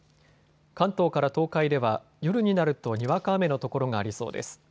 関東から東海では夜になるとにわか雨の所がありそうです。